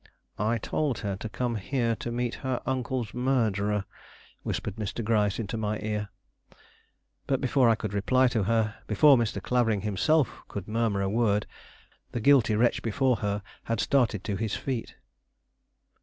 "I told her to come here to meet her uncle's murderer," whispered Mr. Gryce into my ear. But before I could reply to her, before Mr. Clavering himself could murmur a word, the guilty wretch before her had started to his feet.